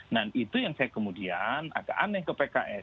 nah itu yang saya kemudian agak aneh ke pks